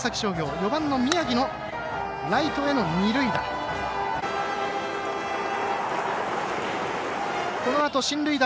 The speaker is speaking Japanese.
４番の宮城のライトへの二塁打。